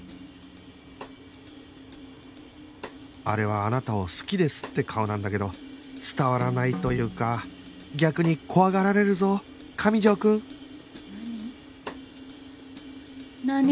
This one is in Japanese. あれはあなたを好きですって顔なんだけど伝わらないというか逆に怖がられるぞ上条くん何？